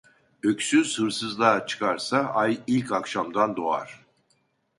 Öksüz hırsızlığa çıkarsa ay ilk akşamdan doğar.